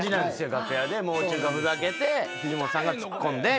楽屋でもう中がふざけて藤本さんがツッコんで。